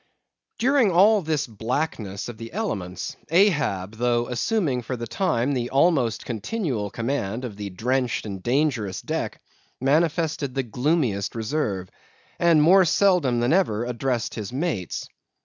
During all this blackness of the elements, Ahab, though assuming for the time the almost continual command of the drenched and dangerous deck, manifested the gloomiest reserve; and more seldom than ever addressed his mates.